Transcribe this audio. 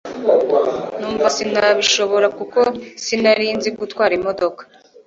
numva sinabishobora kuko sinarinzi gutwara imodoka